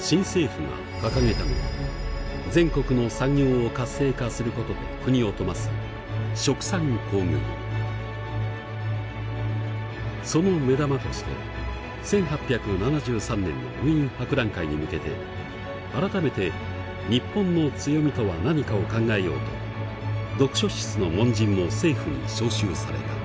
新政府が掲げたのは全国の産業を活性化することで国を富ますその目玉として１８７３年のウィーン博覧会に向けて改めて日本の強みとは何かを考えようと読書室の門人も政府に招集された。